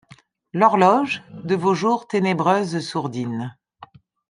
L’horloge, de vos jours ténébreuse sourdine